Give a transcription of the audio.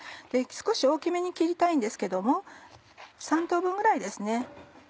少し大きめに切りたいんですけども３等分ぐらいですね。